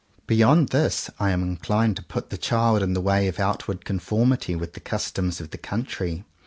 Beyond this, I am inclined to put the child in the way of outward conformity with the customs of the country.